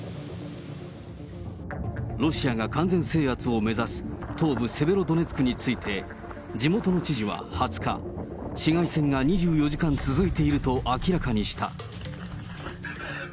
ロシアが完全制圧を目指す、東部セベロドネツクについて、地元の知事は２０日、市街戦が２４時間続いていると明らかにした。